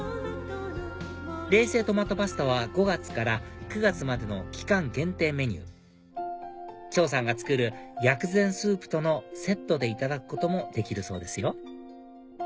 冷製トマトパスタは５月から９月までの期間限定メニュー張さんが作る薬膳スープとのセットでいただくこともできるそうですよ